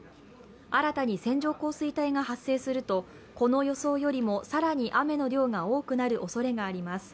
新たに線状降水帯が発生するとこの予想よりも更に雨の量が多くなるおそれがあります。